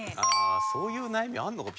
そういう悩みあるのか。